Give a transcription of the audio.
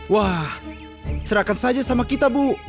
wah serahkan saja sama kita bu